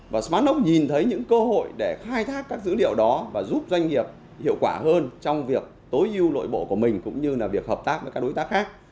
và smartlock nhìn thấy những cơ hội để khai thác các dữ liệu đó và giúp doanh nghiệp hiệu quả hơn trong việc tối ưu nội bộ của mình cũng như là việc hợp tác với các đối tác khác